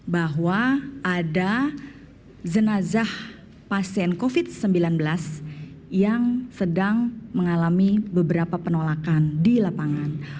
bahwa ada jenazah pasien covid sembilan belas yang sedang mengalami beberapa penolakan di lapangan